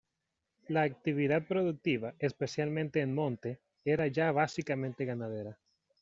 La actividad productiva, especialmente en Monte, era ya básicamente ganadera.